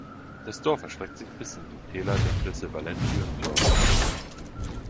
Das Dorf erstreckt sich bis in die Täler der Flüsse Valency und Jordan.